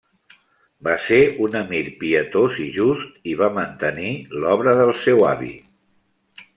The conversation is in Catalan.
Va ser un emir pietós i just i va mantenir l'obra del seu avi.